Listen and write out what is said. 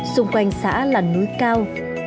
xung quanh xã là núi cao